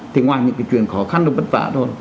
thì ngoài những cái chuyện khó khăn và bất tả thôi